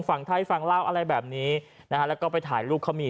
ฝั่งไทยฝั่งลาวอะไรแบบนี้นะฮะแล้วก็ไปถ่ายรูปเขามี